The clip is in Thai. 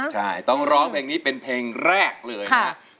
ใช่ต้องร้องเพลงนี้เป็นเพลงแรกเลยนะครับ